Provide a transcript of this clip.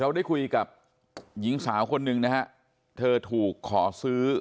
ได้คุยกับหญิงสาวคนหนึ่งนะฮะเธอถูกขอซื้อ